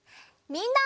みんな！